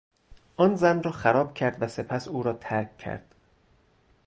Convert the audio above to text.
آن زن را خراب کرد و سپس او را ترک کرد.